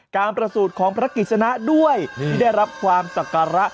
กามประสูจน์ของพระกิจสนาที่ได้รับความศักระ